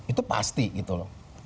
itu pasti gitu loh